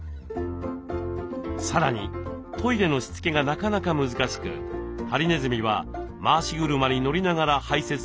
さらにトイレのしつけがなかなか難しくハリネズミは回し車に乗りながら排せつすることも多いそう。